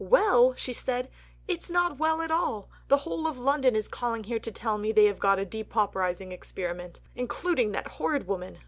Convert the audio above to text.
"Well!" she said; "it's not well at all. The whole of London is calling here to tell me they have got a depauperizing experiment, including that horrid woman."